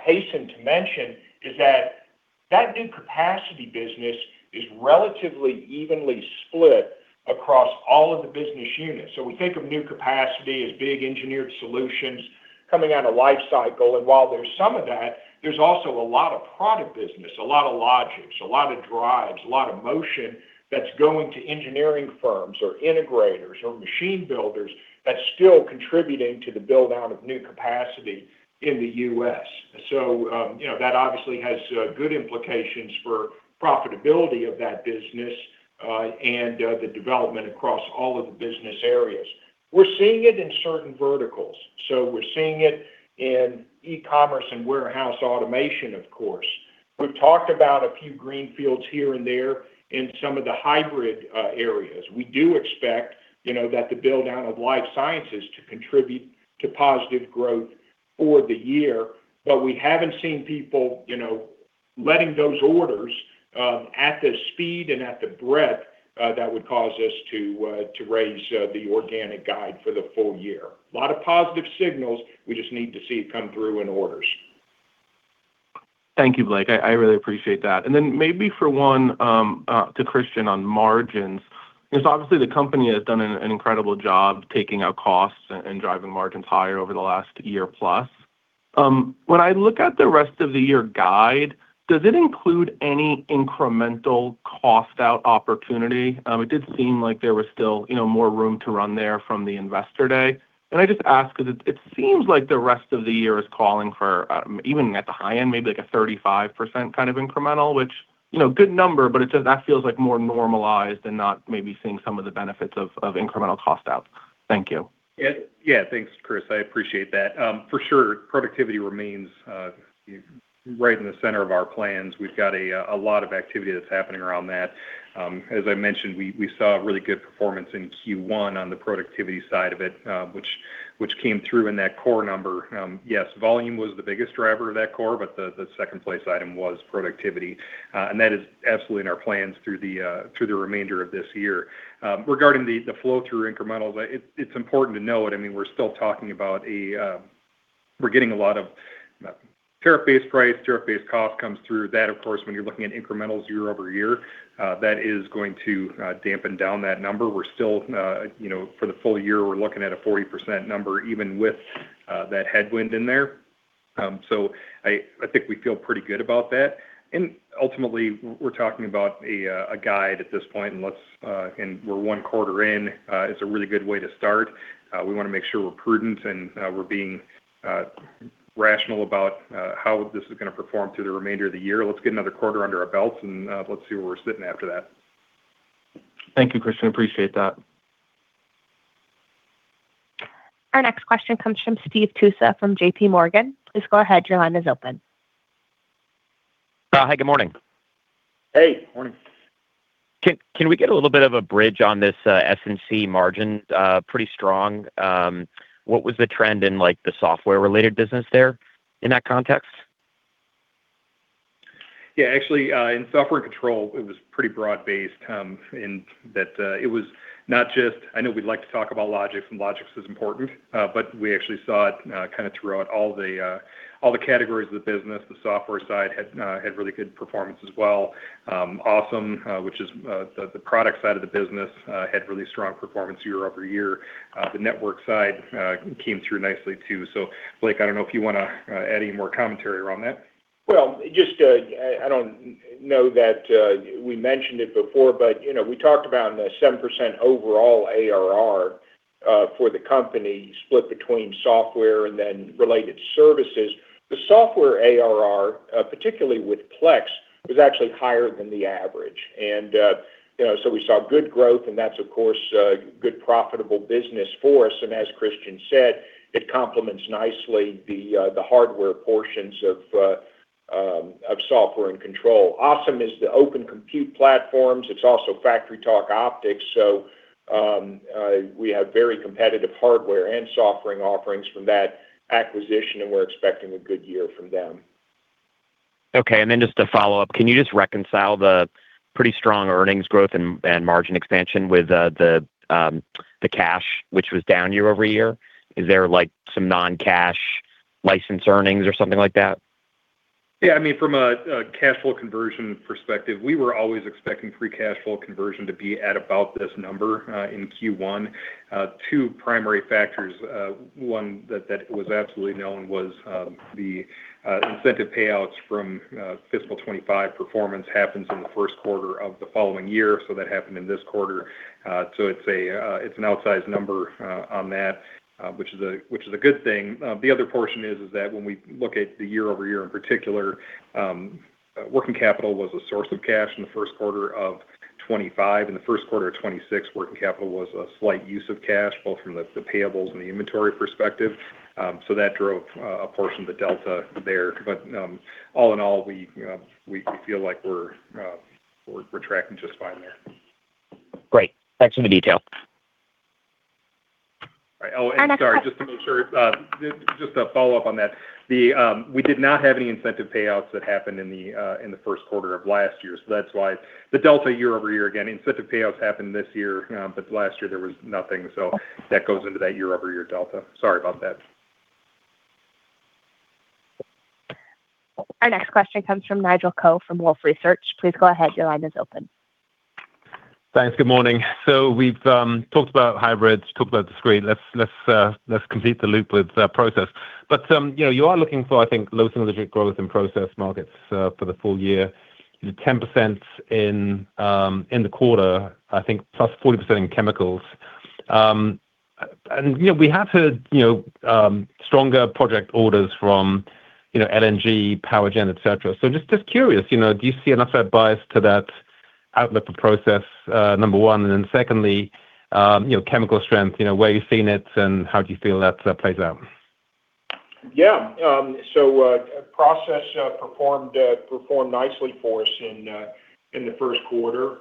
hasten to mention is that that new capacity business is relatively evenly split across all of the business units. So we think of new capacity as big engineered solutions coming out of life cycle, and while there's some of that, there's also a lot of product business, a lot of Logix, a lot of drives, a lot of motion that's going to engineering firms or integrators or machine builders that's still contributing to the build-out of new capacity in the U.S. So, you know, that obviously has good implications for profitability of that business, and the development across all of the business areas. We're seeing it in certain verticals, so we're seeing it in e-commerce and warehouse automation, of course. We've talked about a few greenfields here and there in some of the hybrid areas. We do expect, you know, that the build-out of life sciences to contribute to positive growth for the year. But we haven't seen people, you know-... Letting those orders at the speed and at the breadth that would cause us to to raise the organic guide for the full year. A lot of positive signals, we just need to see it come through in orders. Thank you, Blake. I really appreciate that. And then maybe for one to Christian on margins, because obviously the company has done an incredible job taking out costs and driving margins higher over the last year plus. When I look at the rest of the year guide, does it include any incremental cost out opportunity? It did seem like there was still, you know, more room to run there from the investor day. And I just ask because it seems like the rest of the year is calling for, even at the high end, maybe like a 35% kind of incremental, which, you know, good number, but it just, that feels like more normalized and not maybe seeing some of the benefits of incremental cost out. Thank you. Yeah. Yeah, thanks, Chris. I appreciate that. For sure, productivity remains right in the center of our plans. We've got a lot of activity that's happening around that. As I mentioned, we saw a really good performance in Q1 on the productivity side of it, which came through in that core number. Yes, volume was the biggest driver of that core, but the second place item was productivity. And that is absolutely in our plans through the remainder of this year. Regarding the flow through incremental, it's important to note, I mean, we're still talking about a. We're getting a lot of tariff-based price, tariff-based cost comes through that, of course, when you're looking at incrementals year-over-year, that is going to dampen down that number. We're still, you know, for the full year, we're looking at a 40% number, even with that headwind in there. So I think we feel pretty good about that. And ultimately, we're talking about a guide at this point, and let's and we're one quarter in, it's a really good way to start. We wanna make sure we're prudent, and we're being rational about how this is gonna perform through the remainder of the year. Let's get another quarter under our belt, and let's see where we're sitting after that. Thank you, Christian. Appreciate that. Our next question comes from Steve Tusa, from J.P. Morgan. Please go ahead. Your line is open. Hi, good morning. Hey, morning. Can, can we get a little bit of a bridge on this, S&C margin? Pretty strong. What was the trend in, like, the software-related business there in that context? Yeah, actually, in software control, it was pretty broad-based, in that it was not just, I know we'd like to talk about Logix, and Logix is important, but we actually saw it kinda throughout all the categories of the business. The software side had had really good performance as well. ASEM, which is the product side of the business, had really strong performance year-over-year. The network side came through nicely, too. So, Blake, I don't know if you wanna add any more commentary around that. Well, just, I don't know that we mentioned it before, but, you know, we talked about the 7% overall ARR for the company, split between software and then related services. The software ARR, particularly with Plex, was actually higher than the average. And, you know, so we saw good growth, and that's, of course, a good profitable business for us. And as Christian said, it complements nicely the hardware portions of Software and Control. ASEM is the open compute platforms. It's also FactoryTalk Optix. So, we have very competitive hardware and software offerings from that acquisition, and we're expecting a good year from them. Okay, and then just to follow up, can you just reconcile the pretty strong earnings growth and margin expansion with the cash, which was down year-over-year? Is there, like, some non-cash license earnings or something like that? Yeah, I mean, from a cash flow conversion perspective, we were always expecting free cash flow conversion to be at about this number in Q1. Two primary factors. One, that was absolutely known was the incentive payouts from fiscal 2025 performance happens in the first quarter of the following year, so that happened in this quarter. So it's an outsized number on that, which is a good thing. The other portion is that when we look at the year-over-year, in particular, working capital was a source of cash in the first quarter of 2025. In the first quarter of 2026, working capital was a slight use of cash, both from the payables and the inventory perspective. So that drove a portion of the delta there. But, all in all, we feel like we're tracking just fine there. Great. Thanks for the detail. Oh, and sorry, just to make sure, just a follow-up on that. We did not have any incentive payouts that happened in the first quarter of last year, so that's why the year-over-year delta, again, incentive payouts happened this year, but last year there was nothing, so that goes into that year-over-year delta. Sorry about that. Our next question comes from Nigel Coe, from Wolfe Research. Please go ahead. Your line is open. Thanks. Good morning. So we've talked about hybrids, talked about discrete. Let's complete the loop with the process. But you know, you are looking for, I think, low single-digit growth in process markets for the full year, 10% in the quarter, I think, +40% in chemicals. And you know, we have heard stronger project orders from LNG, power gen, et cetera. So just curious, you know, do you see an offset bias to that outlook for process, number one? And then secondly, you know, chemical strength, you know, where are you seeing it, and how do you feel that plays out? Yeah, so, process performed nicely for us in the first quarter.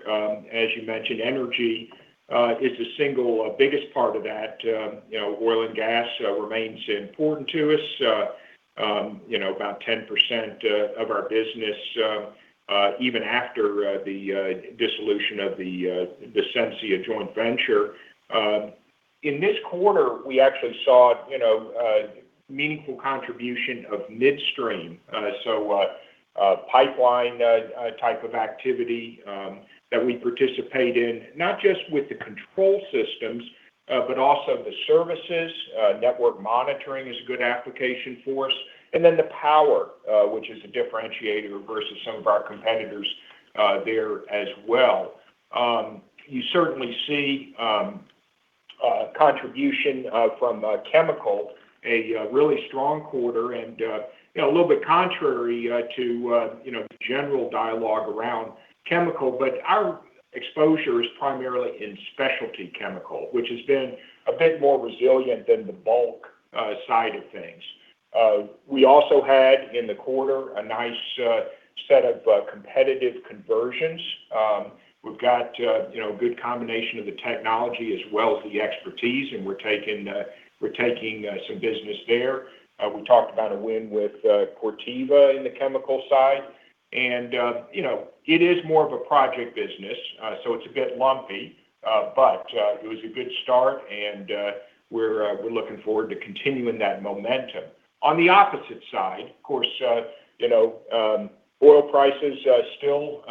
As you mentioned, energy is the single biggest part of that. You know, oil and gas remains important to us. You know, about 10% of our business, even after the dissolution of the Sensia joint venture. In this quarter, we actually saw, you know, meaningful contribution of midstream. So, pipeline type of activity that we participate in, not just with the control systems, but also the services. Network monitoring is a good application for us, and then the power, which is a differentiator versus some of our competitors, there as well. You certainly see contribution from chemical, a really strong quarter and, you know, a little bit contrary to, you know, the general dialogue around chemical. But our exposure is primarily in specialty chemical, which has been a bit more resilient than the bulk side of things. We also had, in the quarter, a nice set of competitive conversions. We've got, you know, good combination of the technology as well as the expertise, and we're taking some business there. We talked about a win with Corteva in the chemical side, and, you know, it is more of a project business, so it's a bit lumpy, but it was a good start, and we're looking forward to continuing that momentum. On the opposite side, of course, you know, oil prices are still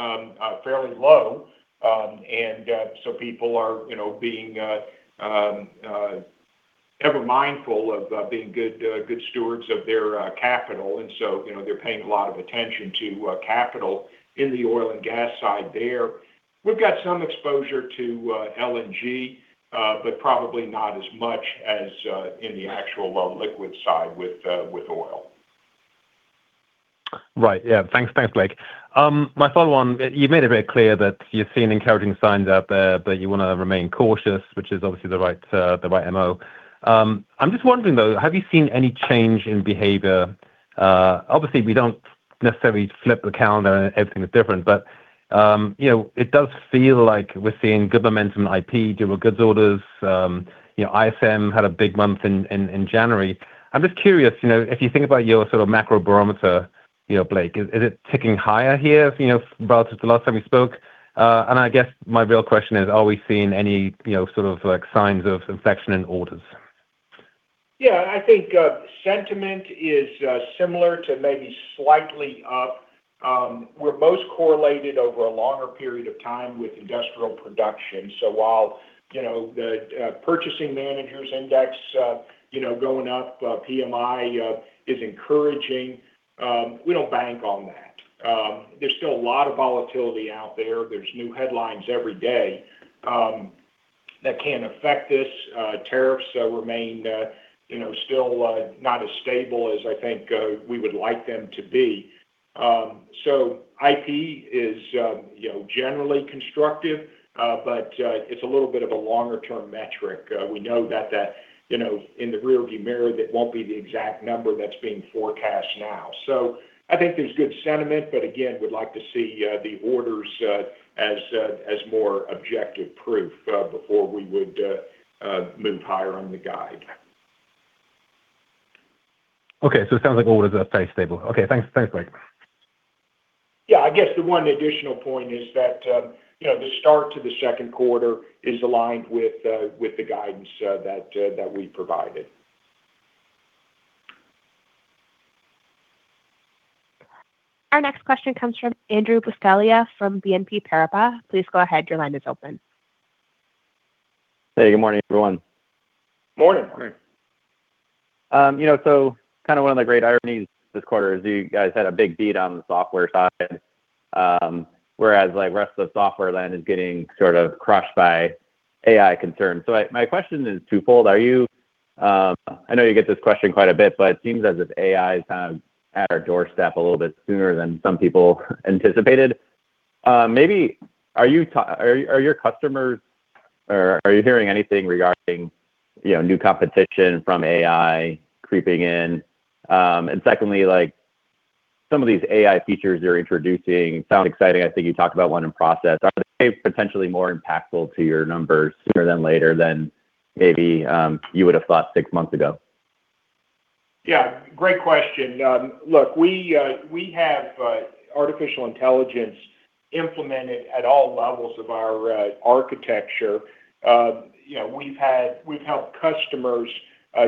fairly low, and so people are, you know, being ever mindful of being good stewards of their capital. So, you know, they're paying a lot of attention to capital in the oil and gas side there. We've got some exposure to LNG, but probably not as much as in the actual, well, liquid side with oil. Right. Yeah. Thanks, thanks, Blake. My follow on, you've made it very clear that you're seeing encouraging signs out there, but you wanna remain cautious, which is obviously the right, the right MO. I'm just wondering, though, have you seen any change in behavior? Obviously, we don't necessarily flip the calendar, everything is different, but, you know, it does feel like we're seeing good momentum in IP, durable goods orders. You know, ISM had a big month in January. I'm just curious, you know, if you think about your sort of macro barometer, you know, Blake, is it ticking higher here, you know, relative to the last time we spoke? And I guess my real question is, are we seeing any, you know, sort of, like, signs of infection in orders? Yeah, I think sentiment is similar to maybe slightly up. We're most correlated over a longer period of time with industrial production. So while, you know, the purchasing managers index, you know, going up, PMI is encouraging, we don't bank on that. There's still a lot of volatility out there. There's new headlines every day that can affect us. Tariffs remain, you know, still not as stable as I think we would like them to be. So IP is, you know, generally constructive, but it's a little bit of a longer-term metric. We know that the, you know, in the rearview mirror, it won't be the exact number that's being forecast now. So I think there's good sentiment, but again, we'd like to see the orders as more objective proof before we would move higher on the guide. Okay, so it sounds like orders are fairly stable. Okay, thanks. Thanks, Blake. Yeah, I guess the one additional point is that, you know, the start to the second quarter is aligned with the guidance that we provided. Our next question comes from Andrew Buscaglia from BNP Paribas. Please go ahead. Your line is open. Hey, good morning, everyone. Morning. You know, so kinda one of the great ironies this quarter is you guys had a big beat on the software side, whereas, like, rest of the software land is getting sort of crushed by AI concerns. So my, my question is twofold: Are you... I know you get this question quite a bit, but it seems as if AI is kind of at our doorstep a little bit sooner than some people anticipated. Maybe are you are, are your customers or are you hearing anything regarding, you know, new competition from AI creeping in? And secondly, like, some of these AI features you're introducing sound exciting. I think you talked about one in process. Are they potentially more impactful to your numbers sooner than later than maybe, you would have thought six months ago? Yeah, great question. Look, we have artificial intelligence implemented at all levels of our architecture. You know, we've had—we've helped customers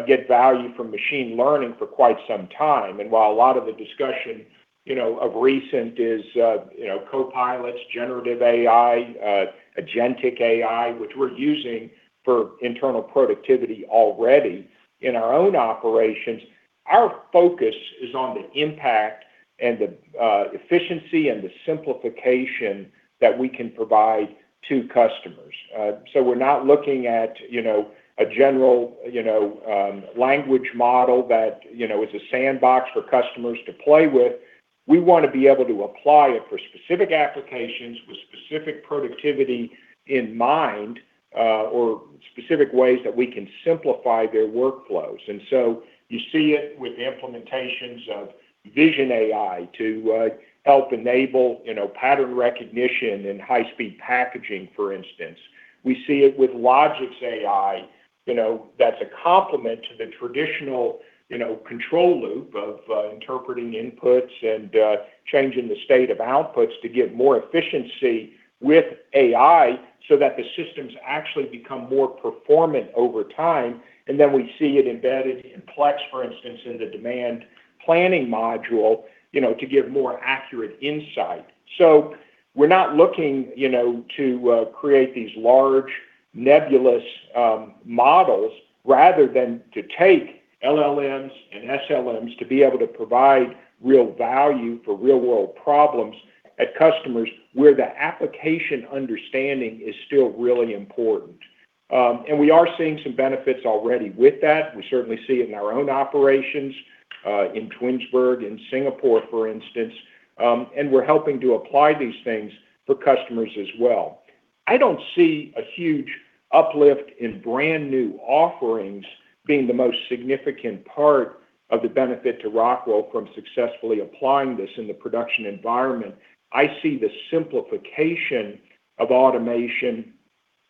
get value from machine learning for quite some time. And while a lot of the discussion, you know, of recent is, you know, copilots, generative AI, agentic AI, which we're using for internal productivity already in our own operations, our focus is on the impact and the efficiency and the simplification that we can provide to customers. So we're not looking at, you know, a general, you know, language model that, you know, is a sandbox for customers to play with. We want to be able to apply it for specific applications, specific productivity in mind, or specific ways that we can simplify their workflows. And so you see it with implementations of vision AI to help enable, you know, pattern recognition and high-speed packaging, for instance. We see it with LogixAI, you know, that's a complement to the traditional, you know, control loop of interpreting inputs and changing the state of outputs to get more efficiency with AI, so that the systems actually become more performant over time. And then we see it embedded in Plex, for instance, in the demand planning module, you know, to give more accurate insight. So we're not looking, you know, to create these large, nebulous models, rather than to take LLMs and SLMs to be able to provide real value for real-world problems at customers, where the application understanding is still really important. And we are seeing some benefits already with that. We certainly see it in our own operations, in Twinsburg and Singapore, for instance, and we're helping to apply these things for customers as well. I don't see a huge uplift in brand-new offerings being the most significant part of the benefit to Rockwell from successfully applying this in the production environment. I see the simplification of automation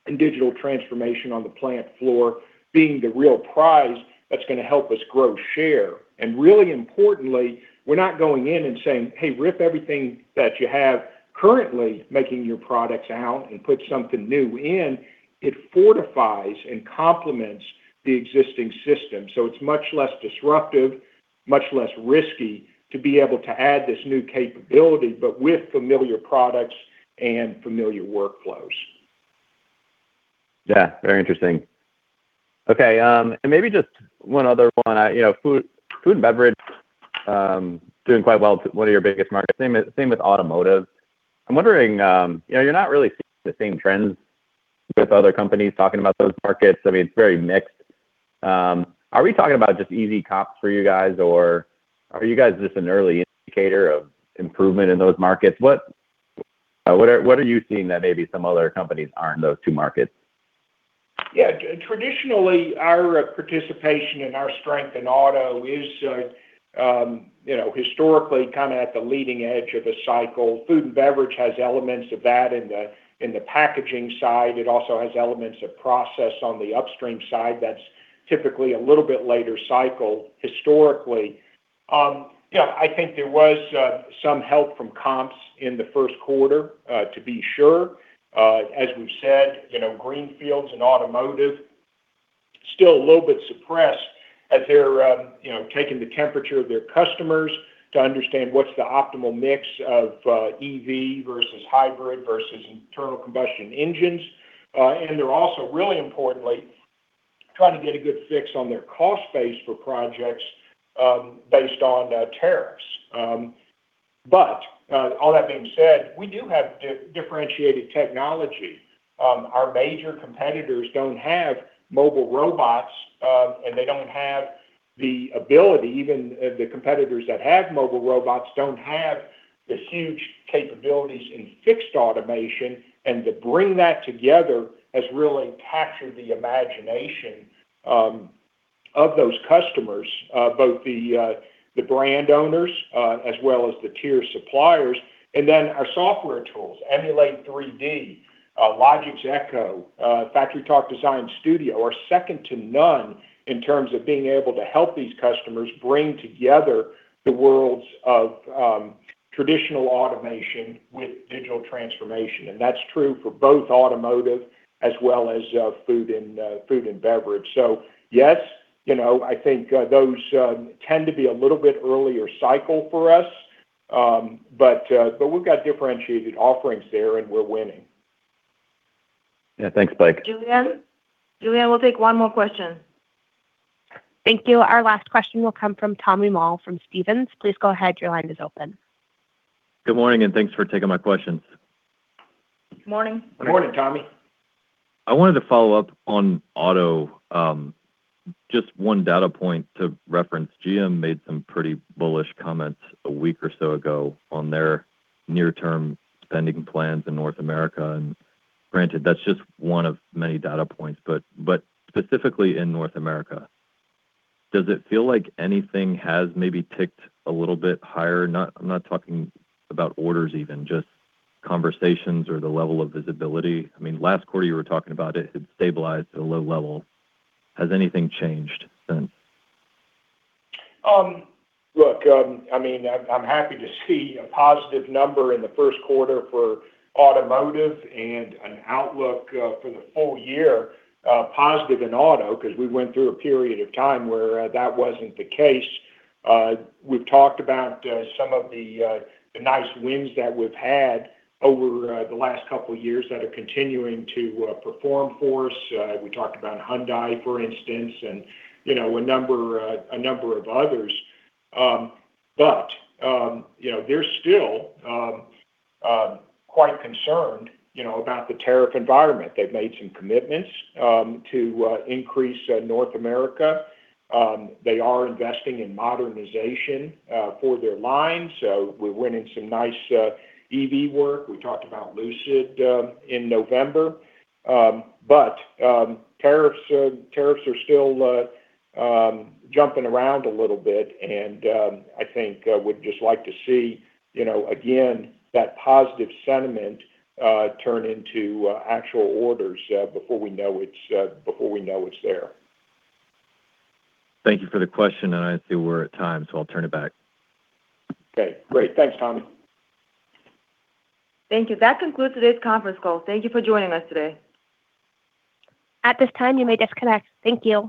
and digital transformation on the plant floor being the real prize that's gonna help us grow share. And really importantly, we're not going in and saying, "Hey, rip everything that you have currently making your products out and put something new in." It fortifies and complements the existing system, so it's much less disruptive, much less risky to be able to add this new capability, but with familiar products and familiar workflows. Yeah, very interesting. Okay, and maybe just one other one. You know, food, food and beverage, doing quite well, one of your biggest markets. Same with, same with automotive. I'm wondering, you know, you're not really seeing the same trends with other companies talking about those markets. I mean, it's very mixed. Are we talking about just easy comps for you guys, or are you guys just an early indicator of improvement in those markets? What are you seeing that maybe some other companies are in those two markets? Yeah. Traditionally, our participation and our strength in auto is, you know, historically kind of at the leading edge of a cycle. Food and beverage has elements of that in the, in the packaging side. It also has elements of process on the upstream side that's typically a little bit later cycle historically. Yeah, I think there was some help from comps in the first quarter, to be sure. As we've said, you know, greenfields and automotive still a little bit suppressed as they're, you know, taking the temperature of their customers to understand what's the optimal mix of, EV versus hybrid versus internal combustion engines. And they're also, really importantly, trying to get a good fix on their cost base for projects, based on the tariffs. But, all that being said, we do have differentiated technology. Our major competitors don't have mobile robots, and they don't have the ability. Even the competitors that have mobile robots don't have the huge capabilities in fixed automation, and to bring that together has really captured the imagination of those customers, both the brand owners as well as the tier suppliers. And then our software tools, Emulate3D, Logix Echo, FactoryTalk Design Studio, are second to none in terms of being able to help these customers bring together the worlds of traditional automation with digital transformation, and that's true for both automotive as well as food and beverage. So, yes, you know, I think those tend to be a little bit earlier cycle for us. But we've got differentiated offerings there, and we're winning. Yeah. Thanks, Mike. Julianne? Julianne, we'll take one more question. Thank you. Our last question will come from Tommy Moll from Stephens. Please go ahead. Your line is open. Good morning, and thanks for taking my questions. Good morning. Good morning, Tommy. I wanted to follow up on auto. Just one data point to reference, GM made some pretty bullish comments a week or so ago on their near-term spending plans in North America. And granted, that's just one of many data points, but specifically in North America, does it feel like anything has maybe ticked a little bit higher? No, I'm not talking about orders even, just conversations or the level of visibility. I mean, last quarter you were talking about it, it stabilized at a low level. Has anything changed since? Look, I mean, I'm happy to see a positive number in the first quarter for automotive and an outlook for the full year positive in auto, 'cause we went through a period of time where that wasn't the case. We've talked about some of the nice wins that we've had over the last couple of years that are continuing to perform for us. We talked about Hyundai, for instance, and, you know, a number of others. But, you know, they're still quite concerned, you know, about the tariff environment. They've made some commitments to increase North America. They are investing in modernization for their line, so we're winning some nice EV work. We talked about Lucid in November. But tariffs are still jumping around a little bit, and I think would just like to see, you know, again, that positive sentiment turn into actual orders before we know it's there. Thank you for the question, and I see we're at time, so I'll turn it back. Okay, great. Thanks, Tommy. Thank you. That concludes today's conference call. Thank you for joining us today. At this time, you may disconnect. Thank you.